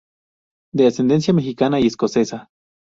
De ascendencia mexicana y escocesa.